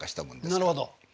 なるほど。